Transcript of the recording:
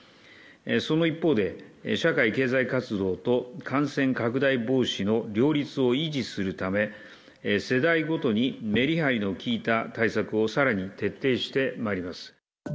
その一方で、社会経済活動と感染拡大防止の両立を維持するため、世代ごとにメリハリの利いた対策をさらに徹底してまいります。